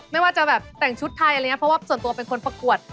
ไม่ว่าจะแบบแต่งชุดไทยอะไรอย่างนี้เพราะว่าส่วนตัวเป็นคนประกวด